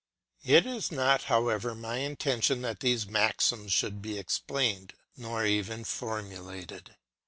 It is not, however, my intention that these maxims should be explained, nor even formulated.